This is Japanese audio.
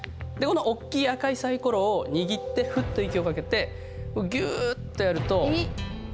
このおっきい赤いサイコロを握ってフッと息をかけてギュッとやると。